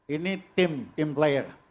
ini tim tim player